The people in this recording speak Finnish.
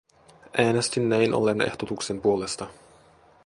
Äänestin näin ollen ehdotuksen puolesta.